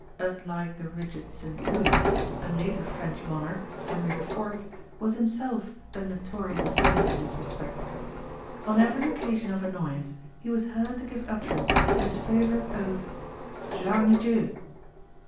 Unlike the rigid St. Louis, a later French monarch, Henry IV. was himself a notorious offender in this respect. On every occasion of annoyance, he was heard to give utterance to his favourite oath "Jarnidieu!"